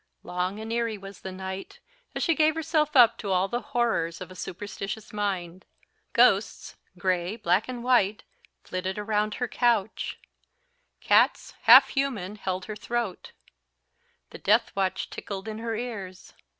Long and eerie was the night, as she gave herself up to all the horrors of a superstitious mind ghosts, gray, black, and white, flitted around her couch; cats, half human, held her throat; the deathwatch ticked in her ears.